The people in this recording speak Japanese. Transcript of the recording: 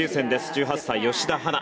１８歳吉田陽菜